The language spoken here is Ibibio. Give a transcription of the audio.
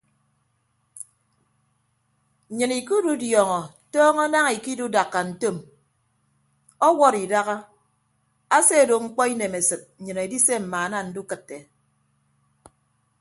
Nnyịn ikidudiọñọ tọñọ naña ikidudakka ntom ọwọd idaha ase ado mkpọ inemesịd nnyịn edise mmaana ndukịtte.